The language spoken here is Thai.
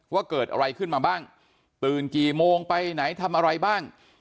ว่าเกิดอะไรขึ้นมาบ้างตื่นกี่โมงไปไหนทำอะไรบ้าง